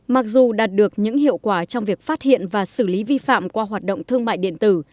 mặc dù đạt được những hiệu quả trong việc phát hiện và xử lý vi phạm qua hoạt động thương mại điện tử